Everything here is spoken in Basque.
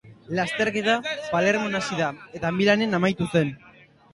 Lasterketa Palermon hasi eta Milanen amaitu zen.